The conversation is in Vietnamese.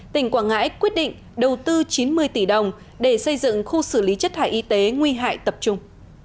tỉnh quảng ngãi quyết định đầu tư chín mươi tỷ đồng để xây dựng khu xử lý chất thải y tế nguy hại tập trung